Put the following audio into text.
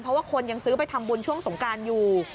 เพราะว่าคนยังซื้อไปทำบุญช่วงสงการอยู่